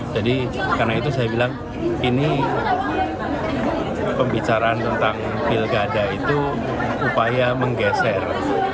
jadi karena itu saya bilang ini pembicaraan tentang pilgada itu upaya menggeser